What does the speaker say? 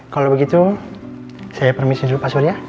kalau begitu saya permisin dulu pak surya